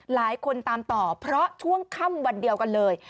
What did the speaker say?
หลายคนตามต่อเพราะช่วงค่ำวันเดียวกันเลย